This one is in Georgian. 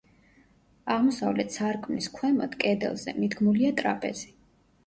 აღმოსავლეთ სარკმლის ქვემოთ, კედელზე, მიდგმულია ტრაპეზი.